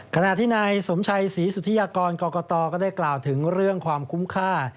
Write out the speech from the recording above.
ขณะที่นายสมชัยศรีสุธิยากรกรกตก็ได้กล่าวถึงเรื่องความคุ้มค่า